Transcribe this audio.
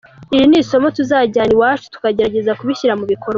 Iri ni isomo tuzajyana iwacu, tukagerageza kubishyira mu bikorwa.